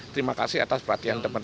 terima kasih atas perhatian teman teman